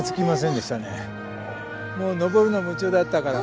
もう登るの夢中だったから。